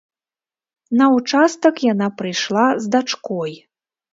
На ўчастак яна прыйшла з дачкой.